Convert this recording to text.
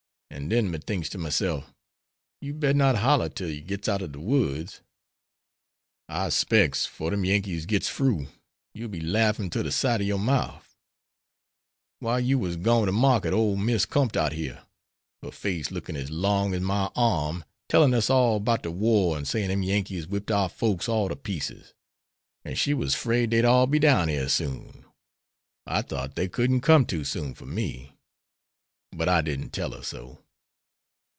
An' den me thinks to myself you'd better not holler till you gits out ob de woods. I specs 'fore dem Yankees gits froo you'll be larffin tother side ob your mouf. While you was gone to market ole Miss com'd out yere, her face looking as long as my arm, tellin' us all 'bout de war and saying dem Yankees whipped our folks all to pieces. And she was 'fraid dey'd all be down yere soon. I thought they couldn't come too soon for we. But I didn't tell her so."